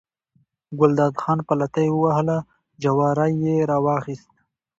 ګلداد خان پلتۍ ووهله، جواری یې راواخیست.